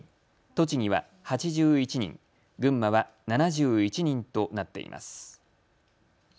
栃木は８１人、群馬は７１人となっています。